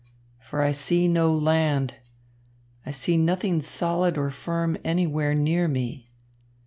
For I see no land. I see nothing solid or firm anywhere near me.